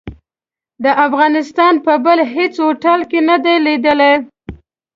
د افغانستان په بل هيڅ هوټل کې نه دي ليدلي.